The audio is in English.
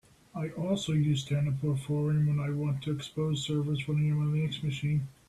I also use standard port forwarding when I want to expose servers running on my Linux machine.